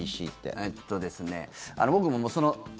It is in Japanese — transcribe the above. えっとですね、僕も。